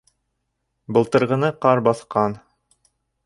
Былтырғыны ҡар баҫҡан.